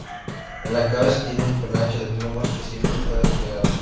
En la cabeza tiene un penacho de plumas que siempre está desplegado.